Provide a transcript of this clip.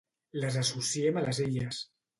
Les associem a les Illes.